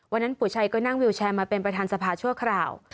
ปู่ชัยก็นั่งวิวแชร์มาเป็นประธานสภาชั่วคราว